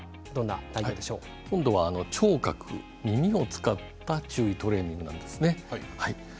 今度は聴覚、耳を使った注意トレーニングです。